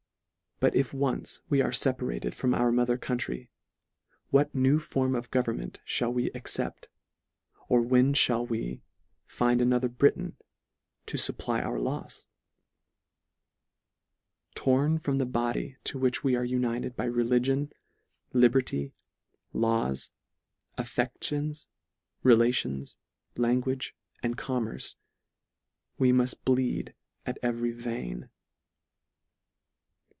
But if once we are feparated from our mother country, what new form of government (hall we accept, or when ftiall we find another Britain to fupply I LETTER III. 33 our lofs ? Torn from the body to which we are united by religion, liberty, laws, affecti ons, relations, language, and commerce, we muft bleed at every vein.